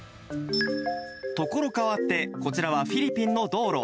所変わってこちらはフィリピンの道路。